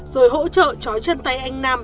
rồi hỗ trợ trói chân tay anh nam